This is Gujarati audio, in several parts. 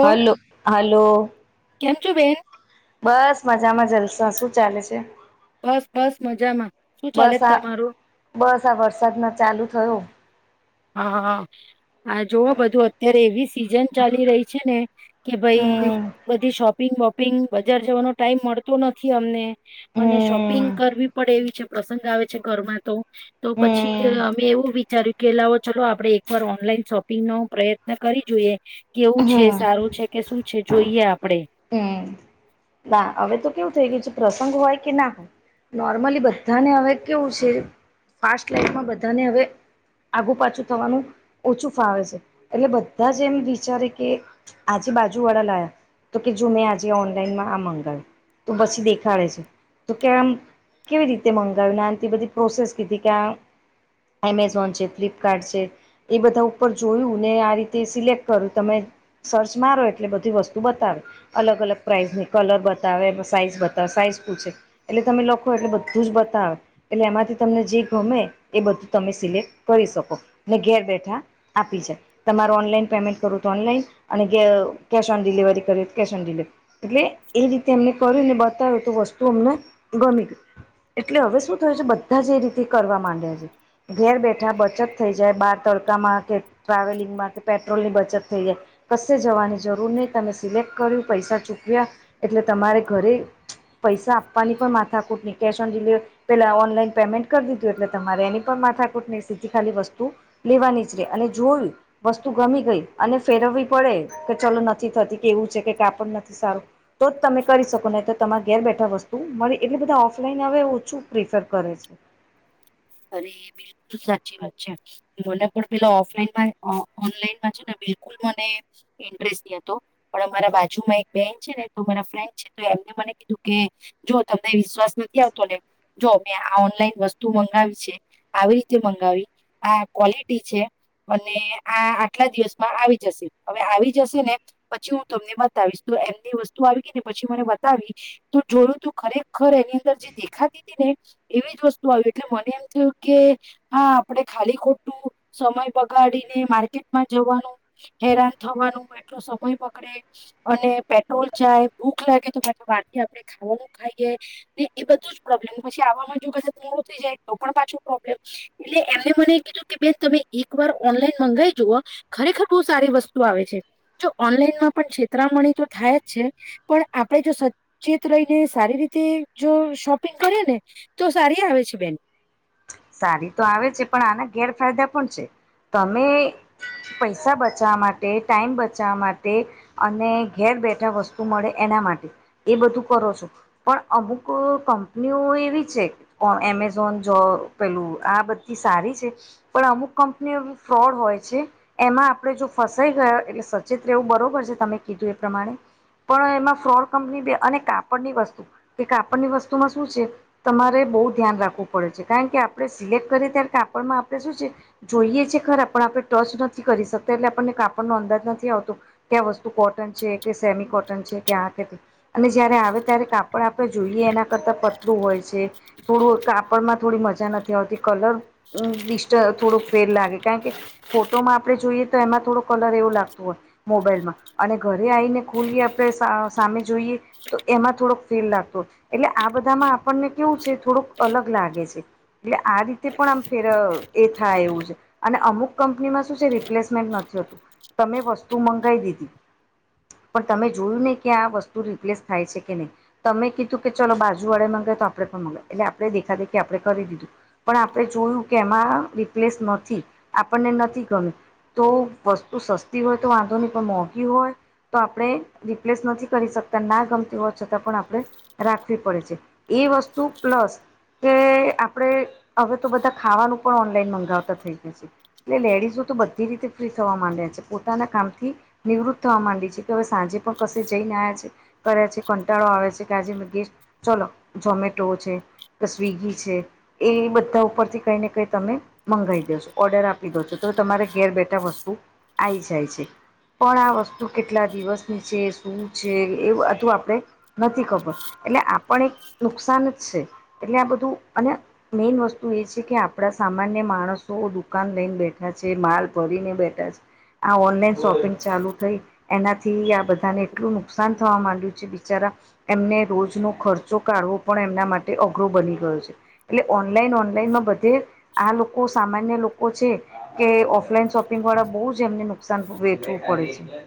Hello hello. કેમ છો બેન. બસ મજામાં જલસા શું ચાલે છે. બસ બસ મજામાં શું ચાલે બસ આ તમારું. બસ આ વરસાદમાં ચાલુ થયો. હા હ હ જોવ બધું અત્યારે એવી સિઝન ચાલી રહી છે, ને કે ભાઈ હમ બધી શોપિંગ વોપિંગ બજાર જવાનો ટાઈમ મળતો નથી અમને અને શોપિંગ હમ કરવી પડે એવી છે પ્રસંગ આવે છે, ઘરમાં તો તો પછી હમ અમે એવું વિચાર્યું કે લાવો ચલો આપણે એકવાર ઓનલાઈન શોપિંગનો પ્રયત્ન કરી જોઈએ કેવું છે હમ સારું છે કે શુ છે જોઈએ આપડે હમ ના હવે તો કેવું થઇ ગયું છે, પ્રસંગ હોય કે ના હોય નોર્મલી બધાને હવે કેવું છે, ફાસ્ટ લાઈફમાં બધાને હવે આગુ પાછું થવાનું ઓછું ફાવે છે, એટલે બધા જ એમ વિચારે કે આજે બાજુવાળા લાયા. તો કે જો મેં આજે ઓનલાઈનમાં આ મગાવ્યું તો પછી દેખાડે છે, તો કેમ કેવી રીતે મંગાવીને તે બધી પ્રોસેસ કીધી કે્યાં [unintelligible] એમેઝોન છે, ફ્લિપકાર્ટ છે એ બધા ઉપર જોયું ને આ રીતે સિલેક્ટ કર્યું તમે સર્ચ મારો એટલે બધી વસ્તુ બતા [unintelligible] બતાવે અલગ અલગ પ્રાઇઝની કલર બતાવે સાઈઝ બતાવે સાઈઝ પૂછે એટલે તમે લખો એટલે બધું જ બતાવે એટલે એમાંથી તમને જે ગમે એ બધું તમે સિલેક્ટ કરી શકો ઘેર બેઠા આપી છે, તમાર ઓનલાઈન પેમેન્ટ કરું તો ઓનલાઈન અને cash on delivery cash on delivery એટલે એ રીતે અમને કર ને બતાવ્યું તો વસ્તુ અમને ગમી ગું [unintelligible] એટલે હવે શું થયું છે, બધા જ એ રીતે કરવા માંડ્યા છે. ઘેર બેઠા બચત થઈ જાય બાર તડકામાં કે ટ્રાવેલિંગ માં કે પેટ્રોલ ની બચત થઈ જાય કશે જવાની જરૂર નહી તમે સિલેક્ટ કર્યું પૈસા ચૂક્યા એટલે તમારે ઘરે પૈસા આપવાની પણ માથાકૂટ નહી કેશ ઓન ડિલિવવરી પેલા ઓનલાઈન પેમેન્ટ કરી દીધું એટલે તમારે એની પણ માથાકુટ નધી ખાલી વસ્તુ લેવા નીચરે અને જોયું વસ્તુ ગમી ગઈ અને ફેરવવી પડે કે ચલો નથી થતી કેવું છે, કે કાપડ નથી સારું તો જ તમે કરી શકો નઈતો તમારે ઘેર બેઠા વસ્તુ મળે એટલે બધા ઓફલાઈન હવે ઓછું પ્રિફર કરે છે. અરે બિલકુલ સાચી વાત છે મને પણ પેલા ઓફલાઈનમાં [unintelligible] ઓનલાઈનમાં છે, ને બિલકુલ મને ઇન્ટરેસ્ટ [unintelligible] હતો પણ અમારા બાજુમાં એક બેન છે, ને તો મારા ફ્રેન્ડ છે, તો એમને મને કીધું કે જો તમને વિશ્વાસ નથી આવતો ને જો મેં આ ઓનલાઈન વસ્તુ મંગાવી [unintelligible] આવી રીતે મંગાવી આ ક્વલિટી છે અને આ આટલા દિવસમાં આવી જશે હવે આવી જશે ને પછી હું તમને બતાવીશ તો એમની વસ્તુ આવી ગ ને પછી મને બતાવી તો જોડું તું ખરેખર એની અંદર જે દેખાતી હતી ને એવી જ વસ્તુ આવી એટલે મને એમ કું કે [inaudible] હા આપડે ખાલી ખોટું સમય બગાડીને માર્કેટમાં જવાનું હેરાન થવાનું એટલો સમય પકડે અને પેટ્રોલ જાય ભૂખ લાગે તો પાછ વાર થી આપડણે ખાવાનું ખાઈએ ને એ બધું જ પ્રોબ્લેમ પછી આવામાં જો ક થુંંગળું થઈ જાય તો પણ પાછું પ્રોબ્લેમ [unintelligible] એટલે એમને મને કીધું કે બે તમે એક વાર ઓનલાઈન મંગાવાઈ જુઓ ખરેખર બહુ સારી વસ્તુ આવે છે, જો ઓનલાઈનમાં પણ છે, તરામણી તો થાય જ છે. પણ આપણેે જો સચેત રહીને સારી રીતે જો શોપિંગ કરીએ ને તો સારી આવે છે, બેન સારી તો આવે છે, પણ આના ગેરફાયદા પણ છે, તમે પૈસા બચાવવા માટે ટાઈમ બચાવવા માટે અને ઘેર બેઠા વસ્તુ મળે એના માટે એ બધું કરો છો પણ અમુક કંપનીઓ એવી છે, એમેઝોન જો પેલું આ બધી સારી છે પણ અમુક કંપનીઓ ફ્રોડ હોય છે. એમાં આપણેે જો ફસાઈ ગયા એટલે સચેત રહેવું બરોબર છે તમે કીધું એ પ્રમાણે. પણ એમાં ફ્રોડ કંપની બે અને કાપડ ની વસ્તુ. કે કાપડની વસ્તુમાં શું છે તમારે બહુ ધ્યાન રાખવું પડે છે કારણ કે. આપણે સિલેક્ટ કરીએ ત્યારે કાપડમાં આપણે શું છે. જોઈએ છે ખરા પણ આપણે ટચ નથી કરી શકતા એટલે આપણને કાપડ નો અંદાજ નથી આવતો. ક્યાં વસ્તુ કોટન છે, કે સેમી કોટન છે કે્યા આ કે અને જયારે આવે ત્યારે કાપડ આપણે જોઈએ એના કરતાં હોય છે. થોડું કાપડમાં થોડી મજા નથી. થી કલર ડિસ્ટ થોડોક ફેલ લાગે કારણ કે ફોટોમાં આપણે જોઈએ તો એમાં થોડો કલર એવું લાગતું હોય મોબાઈલમા અને ઘરે આવીને ખુલી આપણે સામે જોઈએ તો એમાં થોડોક ફેલ લાગતો એટલે આ બધામાં આપણને કેવું છે, થોડુંક અલગ લાગે છે. એટલે આ રીતે પણ આમ ફેર એ થાય એવું છે, અને અમુક કંપનીમાં શું છે, રિપ્લેસમેન્ટ નથીતું તમે વસ્તુ મંગાવી દીધી પણ તમે જોયું ને કે આ વસ્તુ રિપ્લેસ થાય છે, કે નહી તમે કીધું કે ચલો બાજુ વાળે મગાય તો, આપણે પણ મગાય એટલે, આપણે દેખા દેખી આપણે કરી દીધું પણ આપણે જોયું કે એમાં રિપ્લેસ નથી આપણને નથી ગમ્યું તો વસ્તુ સસ્તી હોય, તો વાંધો નહી પણ મોંઘી હોય. તો આપણે રિપ્લેસ નથી કરી શકતા ના ગમતી હો છતાં પણ આપણે રાખવી પડે છે, એ વસ્તુ પ્લસ કે આપડે હવે તો બધા ખાવાનું પણ ઓનલાઈન મંગાવતા થઈ ગયા છે. એટલે લેડીઝો તો બધી રીતે ફ્રી થવા માંડ્યા છે, પોતાના કામ થી, નિવૃત્ત થવા માંડી છે. કે હવે સાંજે પણ કશે જઈને્યા છે. કરે છે, કંટાળો આવે છે, કે આજે મ ગે ચોલો ઝોમેટો છે, કે સ્વીિગી છે. એ બધા ઉપર થી, કઈ ને કઈ તમે મંગાવી દેસો ઓર્ડર આપી દો છો તો, તમારે ઘેર બેઠા વસ્તુ આ આવી જાય છે. પણ આ વસ્તુ કેટલા દિવસની છે, શું છે એધું આપડણે નથી ખબર એટલે આપણ એક નુકસાન જ છે, એટલે આ બધું અને મેઈન વસ્તુ એ છે, કે આપણા સામાન્ય માણસો દુકાન લઈને બેઠા છે. માલ ભરીને બેઠા છે. આ ઓનલાઈન શોપિંગ ચાલુ થઈ. એનાથી આ બધાને એટલું નુકસાન થવા માંડ્યું છે, બિચારા એમને રોજનો ખર્ચો કાઢવો પણ એમના માટે અઘરો બની ગયો છે. એટલે ઓનલાઈન, ઓનલાઈન માં બધે આ લોકો સામાન્ય લોકો ઓ છે કે ઓફલાઈન શોપિંગ વાળા બહુ જ એમને નુકસાન વેઠવું પડે છે.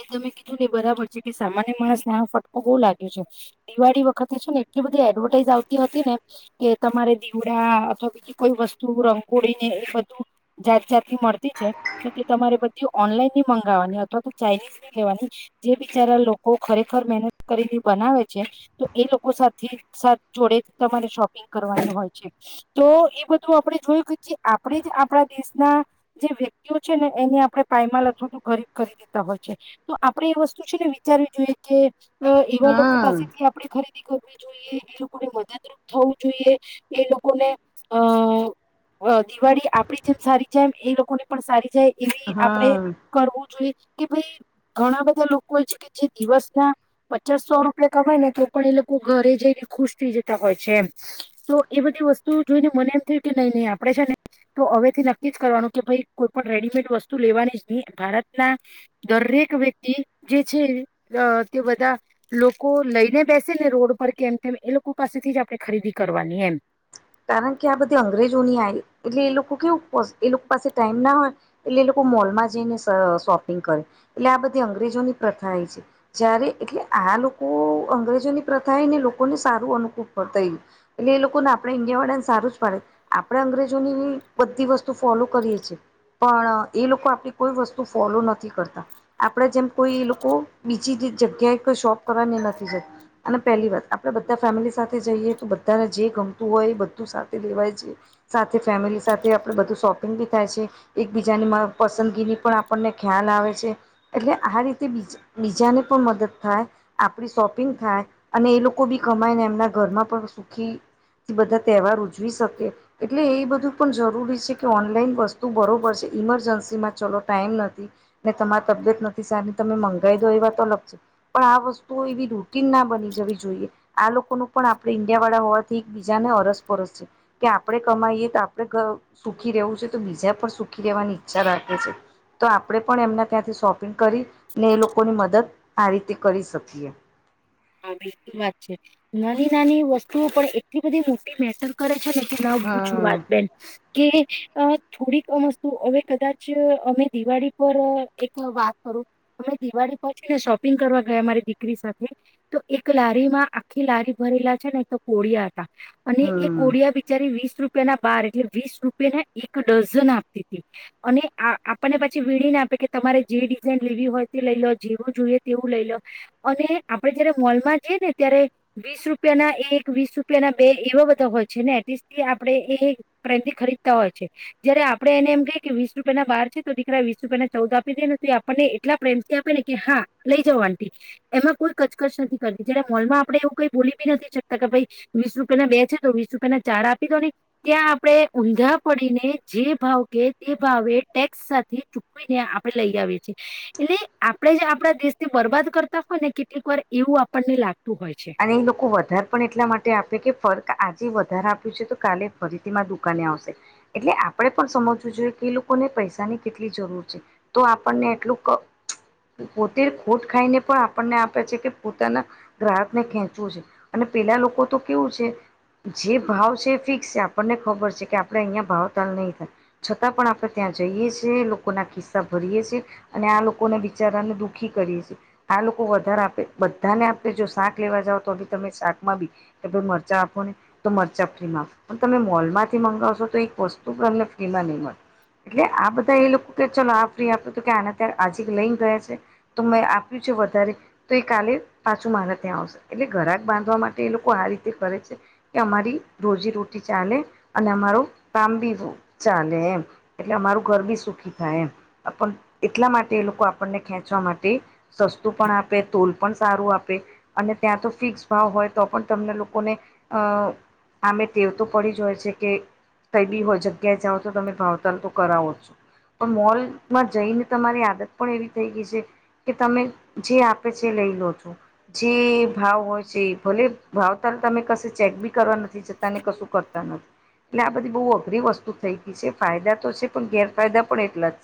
એ તમે કીધું ને બરાબર છે, કે સામાન્ય માણસ ને આ ફટકો બઉુ લાગ્યો છે. દિવાળી વખતે છેું ને, એટલી બધી એડવર્ટાઈઝ આવતી હતી ને કે તમારે દીવડા અથવા બીજી કોઈ વસ્તુ રંગોળી ને એ બધું જાત, જાત મળતી છે, તો તે તમારે બધી ઓનલાઈનની મંગાવવાની અથવા તો ચાઇનીઝ લેવાની જે બિચારા લોકો ખરેખર મહેનત કરીને બનાવે છે. તો એ લોકો સાથે, સાથજોડે તમારે શોપિંગ કરવાનું હોય છે. તો એ બધું આપણે જોયું કે જે આપણે જ આપણા દેશના જે વ્યક્તિઓ છે, ને એને આપડણે પાયમાલ અથવા તો ગરીબ કરી દીધું હોય તો આપણેે એ વસ્તુ છે, ને વિચારવી જોઈએ કે એવા લોકો હમ પાસેથી આપ ખરીદી કરવી જોએ એ લોકોને મદદરૂપ થવું, જોઈએ એ લોકોને અ અ દિવાળી આપડી જેમ સારી જાય એમ એ લોકોને પણ સારી જાય, એવી આપડે હમ કરવું જોઈએ કે ભાઈ ઘણા બધા લોકો હો છે, કે જે દિવસ ના પચાસસો રૂપિયા કવાય ને તો પણ એ લોકો ઘરે જઈને ખુશ થઈ જતા હોય છે, એમ તો એ બધી વસ્તુ જોઈને મને એમ થયું કે નઈ, નઈ આપડે છે. ને તો હવે થી નક્કી જ કરવાનું કે ભાઈ કોઈ પણ, રેડીમેડ વસ્તુ લેવાની જ નહી ભારત ના દરેક વ્યક્તિ જે છે, તે બધા લોકો લઈને બેસે ને રોડ પર કેમ, કેમ એ લોકો પાસેથી જ આપણે ખરીદી કરવાની એમ કારણ કે આ બધી અંગ્રેજો ની આવી એટલે, એ લોકો કેવું એ લોકો પાસે ટાઈમ ના હોય એટલે એ લોકો મોલમાં જઈને શોપિંગ કરે એટલે, આ બધી અંગ્રેજોની પ્રથા એ છે. જ્યારે એટલે આ લોકો અંગ્રેજોની પ્રથા એ ને લોકોને સારું અનુકૂળ કર થયું એટલે એ લોકો ના આપ આપણે ઇન્ડિયા વાળા ને સારું જ પડે આપણે અંગ્રેજોની બધી વસ્તુ ફોલો કરીએ છીએ. પણ એ લોકો આપડી કોઈ વસ્તુ ફોલો નથી કરતા. આપડા જેમ કોઈ એ લોકો બીજી જગ્યાએ કોઈ શોપ કરવાની નથી જતા અને પહેલી વાત આપડે બધા ફેમિલી સાથે જઈએ તો બધાને જે ગમ હોય બધું સાથે લેવાય છે સાથે ફેમિલી સાથે આપડે બધું શોપિંગ બી થાય છે. એકબીજાની પસંદગીની પણ આપણને ખ્યાલ આવે છે એટલે આ રીતે બીજી બીજાને પણ મદદ થાય. આપડી સોપિંગ થાય અને એ લોકો બી કમાય ને એમના ઘરમાં પણ સુખી થી બધા તહેવાર ઉજવી શકે એટલે એ બધું પણ જરૂરી છે, કે ઓનલાઈન વસ્તુ બરોબર છે ઇમરજન્સીમાં ચલો ટાઈમ નથી ને તમારી તબિયત નથી સારની તમે મંગાવી દો એવા વાત અલગ છે. પણ આ વસ્તુઓ એવી રૂટીન ના બની જવી જોઈએ આ લોકો ન પણ આપણે ઇન્ડિયા વાળા હોવાથી બીજાને અરસપરસ છે કે આપડે કમાઈએ તો આપડે સુખી રહેવું છે તો બીજા પણ સુખી રહેવાની ઈચ્છા રાખે છે તો આપડે પણ એમના ત્યાંથી સો કરી ને એ લોકોની મદદ આ રીતે કરી શકીએ. હા બિલકુલ વાત છે નાની નાની વસ્તુઓ પણ એટલી બધી મોટી મેટર કરે છે ને કે ના પૂછું હમ વાત બેન. કે થોડીક વસ્તુ હવે કદાચ અમે દિવાળી પર એક વાત કરું અમે દિવાળી પહોંચી ને શોપિંગ કરવા ગયા મારી દીકરી સાથે તો એક લારી માં આખી લારી ભરેલા છે, ને એક તો કોડીયા હતા અને એ હમ કોડિયા બિચારી વીસ રૂપિયાના બાર એટલે વીસ રૂપિયા ના એક ડઝન આપતી હતી. અને આપણને પછી વીણીને આપે કે તમારે જે ડિઝાઇન લેવી હોય તે લઈ લો જેવું જોઈએ તેવું લઈ લો અને આપડે જયારે મોલમાં જઈ ને ત્યારે વીસ રૂપિયાના એક વીસ રૂપિયાના બે એવા બધા હોય છે ને એટલીસ્ટ આપડે એ પ્રેમથી ખરીદતા હોય છે. જયારે આપણે એને એમ કહીએ કે વીસ રૂપિયા ના બાર છે તો દીકરા વીસ રૂપિયા ના ચૌદ આપી દે ને તો એ આપણને એટલા પ્રેમથી આપે ને કે હા લઈ જવ આંટી એમાં કોઈ કચકચ નથી કરતી જયારે મોલમાં આપણેે એવું કઈ બોલી બી નથી શકતા કે ભાઈ વીસ રૂપિયા ના બે છે તો વીસ રૂપિયા ના ચાર આપી દો ને. ત્યાં આપણે ઊંધા પડીને જે ભાવ કે તે ભાવે ટેક્સ સાથે ચૂ ચુકવીને આપડે લઈ આવીએ છીએ એટલે આપડે જે આપણા દેશ થી બરબાદ કરતા હોય ને એક વાર એવું આપણને લાગતું હોય છે. અને એ લોકો વધારે પણ એટલા માટે આપે કે ફર્ક આજે વધારે આપ્યું છે તો કાલે ફરીથી માર દુકાને આવશે એટલે આપણે પણ સમજવું જોઈએ કે એ લોકોને પૈસાની કેટલી જરૂર છે. તો આપણને એટલું પોતે ખોટ ખાઈને પણ આપણને આપે છે કે પોતાના ગ્રાહક ને ખેંચવું છે, અને પેલા લોકો તો કેવું છે. જે ભાવ છે એ ફિક્સ છે આપણને ખબર છે, કે આપડે અહિયાયા ભાવ તાલ નહી થાય છતાં પણ આપણે ત્યાં જઈએ છીએ લોકોના કિસ્સા ભરીએ છીએ અને આ લોકોને બિચારવાને દુઃખી કરીએે છીએ આ લોકો વધારે આપે બધાને આપે જો શાક લેવા જાવ તો તમે શાકમાં બી કે ભાઈ મરચાં આપો ને તો મરચાં ફ્રીમાં પણ તમે મોલમાંથી મંગાવશો તો એક વસ્તુ પણ અમને ફ્રીમાં નહી મળે. એટલે આ બધા એ લોકો કે ચલો આ ફ્રી આપે તો કે આને ત્યારે આજી લઈને ગયા છે. તો મેં આપ્યું છે, વધારે તો એ કાલે પાછું મારે ત્યાં આવશે. એટલે ઘરાક બાંધવા માટે એ લોકો આ રીતે કરે છે. કે અમારી રોજીરોટી ચાલે અને અમારો કામ બી ચાલે એમ. એટલે અમારું ઘર બી સુખી થાય એમ એટલા માટે એ લોકો આપણને ખેંચવા માટે સસ્તું પણ આપે તોલ પણ સારું આપે અને ત્યાં તો ફિક્સ ભાવ હોય તો પણ તમને લોકોને અ અમે ટેવ તો પડી જ હોય છે કે કઈ બી હોય જગ્યાએ જાઓ તો તમે ભાવતાલ તો કરાવો જ પણ મોલમાં જઈને તમારી આદત પણ એવી થઈ ગઈ છે કે તમે જે આપે છે લઈ લો છો. જે ભાવ હોય છે ભલે ભાવ તાલ તમે કશે ચેક બી કરવા નથી જતા ને કશું કરતા નથી. એટલે આ બધી બહુ અઘરી વસ્તુ થઈ ગઈ છે ફાયદા તો છે પણ ગેરફાયદા પણ એટલા જ.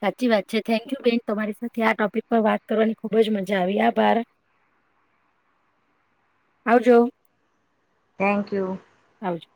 સાચી વાત છે થેન્કયુ બેન તમારી સાથે આ ટોપિક પર વાત કરવાની ખુબ જ મજા આવી આભાર. આવ જો. થેન્ક યુ આવ જો.